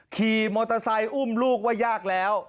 ขี่มอเตอร์ไซค์อุ้มลูกว่ายากแล้ว